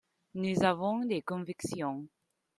Nous avons des convictions.